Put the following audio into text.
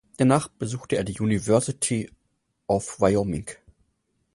Danach besuchte er die University of Wyoming.